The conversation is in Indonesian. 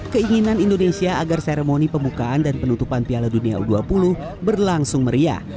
keinginan indonesia agar seremoni pembukaan dan penutupan piala dunia u dua puluh berlangsung meriah